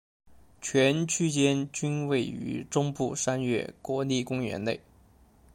全区间均位于中部山岳国立公园内。